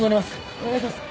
お願いします。